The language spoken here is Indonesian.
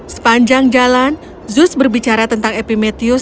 sepanjang jalan zuz berbicara tentang epimetheus